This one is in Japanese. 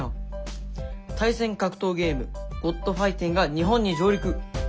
「対戦格闘ゲーム『ｇｏｄファイティン』が日本に上陸！」。